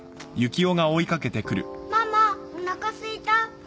ママおなかすいた。